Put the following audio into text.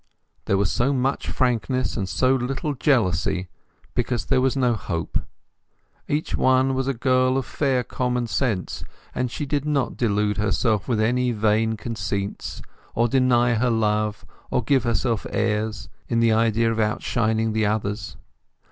There was so much frankness and so little jealousy because there was no hope. Each one was a girl of fair common sense, and she did not delude herself with any vain conceits, or deny her love, or give herself airs, in the idea of outshining the others.